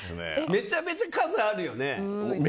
めちゃめちゃ数あるよね。